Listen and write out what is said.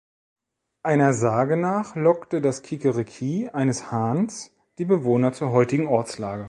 Einer Sage nach lockte das "Kikeriki" eines Hahns die Bewohner zur heutigen Ortslage.